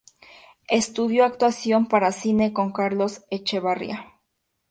Estudió actuación para cine con Carlos Echevarría.